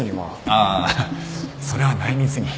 ああそれは内密に。